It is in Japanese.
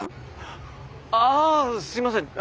あすいません！